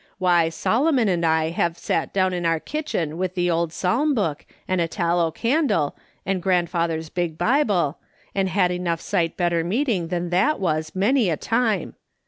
Why, Solo mon and I have sat down in our kitchen, with the old Psalm book, and a tallow candle, and grand father's big Bible, and had enough sight better meet ing than that was, many a time.